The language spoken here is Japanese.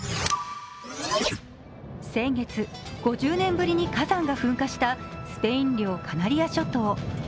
先月、５０年ぶりに火山が噴火したスペイン領カナリア諸島。